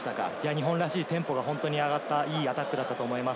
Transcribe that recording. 日本らしいテンポが上がったいいアタックだったと思います。